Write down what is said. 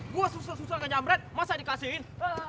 gue susah susah nge jemret masa dikasihin